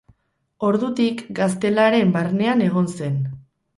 Ordutik Gaztelaren barnean egon zen.